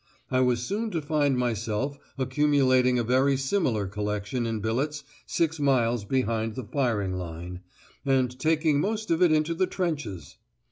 I was soon to find myself accumulating a very similar collection in billets six miles behind the firing line, and taking most of it into the trenches!